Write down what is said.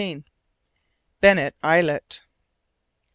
BENNET ISLET.